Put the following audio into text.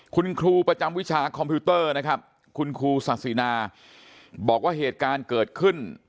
คุณครูประจำวิชาคอมพิวเตอร์นะครับคุณครูศาสินาบอกว่าเหตุการณ์เกิดขึ้น